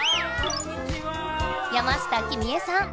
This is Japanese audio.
山下君枝さん。